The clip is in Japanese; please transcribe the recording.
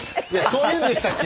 「そういうんでしたっけ」？